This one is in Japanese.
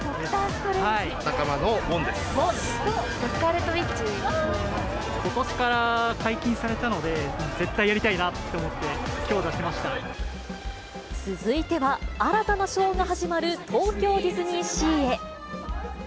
スカーレット・ウィッチになことしから解禁されたので、絶対やりたいなと思って、続いては、新たなショーが始まる東京ディズニーシーへ。